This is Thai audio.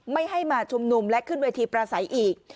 ไม่ให้มาชุมนุมและขึ้นเวทีประสัยอีก